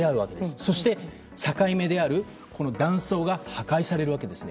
そして境目である断層が破壊されるわけですね。